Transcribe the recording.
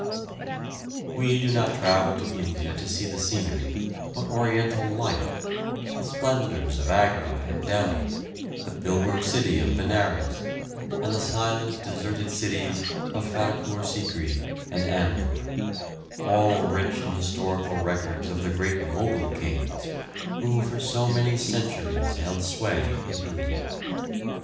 ] We do not travel to India to see scenery, but Oriental life: the splendours of Agra and Delhi, the pilgrim city of Benares, and the silent, deserted cities of Fatehpur Sikri and Amber, all rich in historical records of the great Mogul kings, who for so many centuries held sway in India.